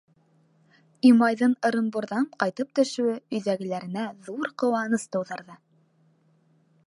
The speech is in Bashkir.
Имайҙың Ырымбурҙан ҡайтып төшөүе өйҙәгеләренә ҙур ҡыуаныс тыуҙырҙы.